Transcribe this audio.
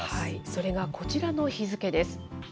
それがこちらの日付です。